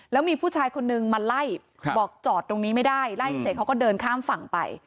แล้วมีผู้ชายคนนึงมาไล่บอกจอดตรงนี้ไม่ได้ไล่เสร็จเขาก็เดินข้ามฝั่งไป